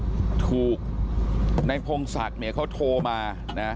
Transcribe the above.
ที่ถูกในพงศาสตร์เขาโทรมา